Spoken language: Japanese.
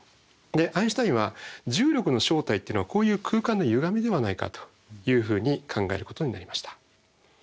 アインシュタインは重力の正体っていうのはこういう空間のゆがみではないかというふうに考えることになりました。